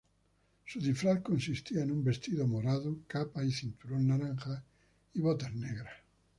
Su disfraz consistía en un vestido morado, capa y cinturón naranja y botas negras.